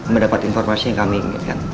mendapat informasi yang kami inginkan